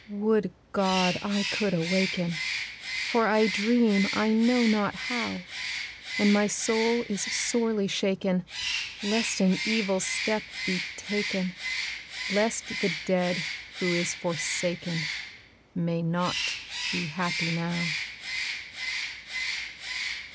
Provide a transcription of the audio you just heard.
Would God I could awaken! For I dream I know not how! And my soul is sorely shaken Lest an evil step be taken, Lest the dead who is forsaken May not be happy now.